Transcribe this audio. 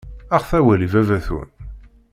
Aɣet awal i baba-twen.